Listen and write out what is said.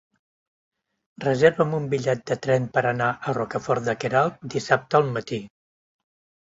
Reserva'm un bitllet de tren per anar a Rocafort de Queralt dissabte al matí.